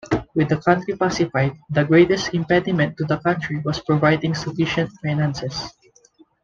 With the country pacified, the greatest impediment to the project was providing sufficient finances.